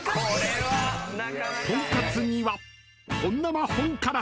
［とんかつには］